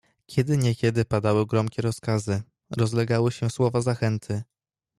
"Kiedy niekiedy padały gromkie rozkazy, rozlegały się słowa zachęty."